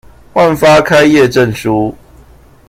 換發開業證書